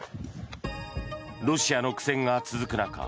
ロシアの苦戦が続く中